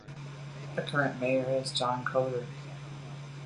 The current mayor is John Coder.